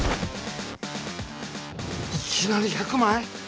いきなり１００枚！？